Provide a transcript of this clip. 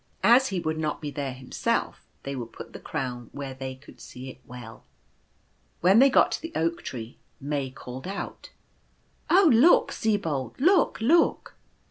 As he would not be there himself, they would put the crown where they could see it well. When they got to the Oak tree May called out, " Oh look, Sibold, look, look